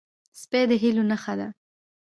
سپي د هیلو نښه ده.